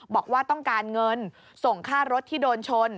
บอกว่าต้องการเงินส่งค่ารถที่โดนชน